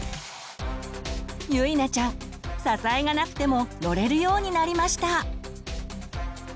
ゆいなちゃん支えがなくても乗れるようになりました。